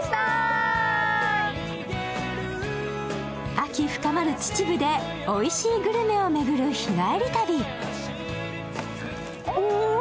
秋深まる秩父でおいしいグルメを巡る日帰り旅。